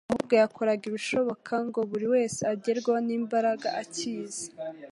ahubwo yakoraga ibishoboka ngo buri wese agerweho n'imbaraga ikiza